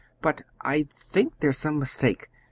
But I think there's some mistake.